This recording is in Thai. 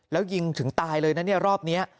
แล้วยิงถึงตายเลยนะเนี่ยรอบนี้